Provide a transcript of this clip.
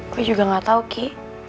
aku juga gak tau ki